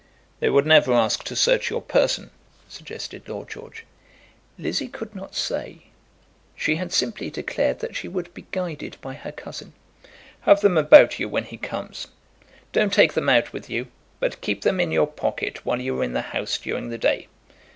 "They would never ask to search your person," suggested Lord George. Lizzie could not say. She had simply declared that she would be guided by her cousin. "Have them about you when he comes. Don't take them out with you; but keep them in your pocket while you are in the house during the day.